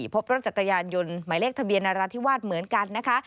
พบรถจักรยานยนต์หมายเลขทะเบียนนราธิวาสเหมือนกันนะคะ